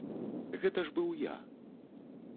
Гэта ж быў я!